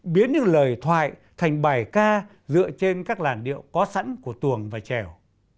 biến những lời thoại thành bài ca dựa trên các làn điệu có sẵn của tuồng và trèo